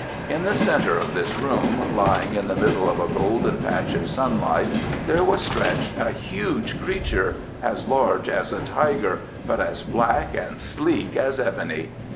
In the centre of this room, lying in the middle of a golden patch of sunlight, there was stretched a huge creature, as large as a tiger, but as black and sleek as ebony.